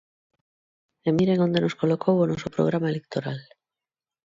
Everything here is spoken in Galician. E miren onde nos colocou o noso programa electoral.